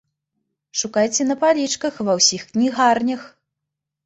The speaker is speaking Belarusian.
Шукайце на палічках ва ўсіх кнігарнях!